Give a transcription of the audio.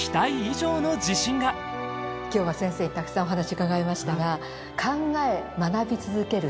今日は先生にたくさんお話うかがいましたが。